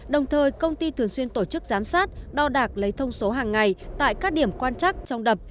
đồng thời công ty thường xuyên tổ chức giám sát đo đạc lấy thông số hàng ngày tại các điểm quan chắc trong đập